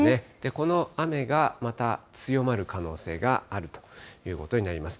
この雨がまた強まる可能性があるということになります。